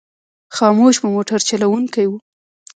خاموش مو موټر چلوونکی و.